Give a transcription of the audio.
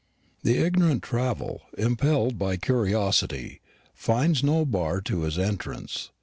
The ignorant traveller, impelled by curiosity, finds no bar to his entrance.